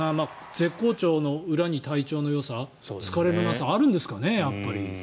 絶好調の裏に体調のよさ疲れのなさがあるんですかね。